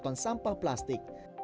delapan ton sampah plastik